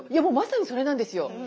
もうまさにそれなんですよ。